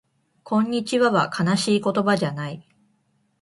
こんにちはは悲しい言葉じゃない